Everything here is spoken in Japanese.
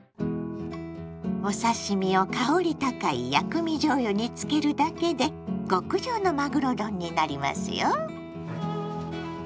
お刺身を香り高い「薬味じょうゆ」につけるだけで極上のまぐろ丼になりますよ。